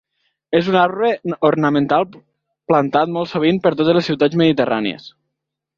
És un arbre ornamental plantat molt sovint per totes les ciutats mediterrànies.